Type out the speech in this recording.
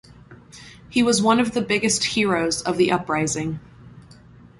He was one of the biggest heroes of the Uprising.